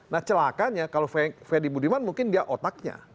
nah celakanya kalau freddy budiman mungkin dia otaknya